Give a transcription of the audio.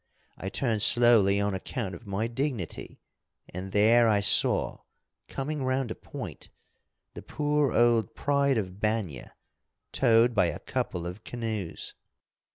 I turned slowly on account of my dignity, and there I saw, coming round a point, the poor old Pride of Banya towed by a couple of canoes.